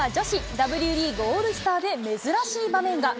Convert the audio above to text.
Ｗリーグオールスターで珍しい場面が。